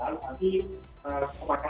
dari tadi setelah kami